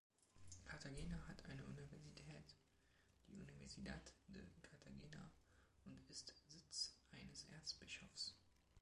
Cartagena hat eine Universität, die Universidad de Cartagena, und ist Sitz eines Erzbischofs.